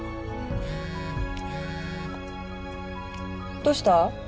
どうした？